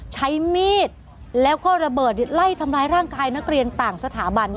ใช้มีดแล้วก็ระเบิดไล่ทำร้ายร่างกายนักเรียนต่างสถาบัน